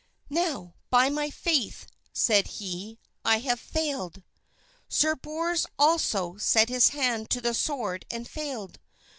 "Now, by my faith," said he, "I have failed." Sir Bors also set his hand to the sword and failed.